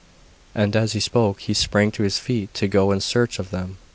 And as he spoke he sprang to his feet to go in search of them.